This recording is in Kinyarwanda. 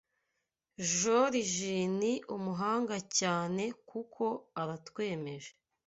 jorijini umuhangacyanekuko aratwemeje